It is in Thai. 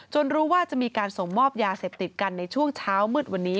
รู้ว่าจะมีการส่งมอบยาเสพติดกันในช่วงเช้ามืดวันนี้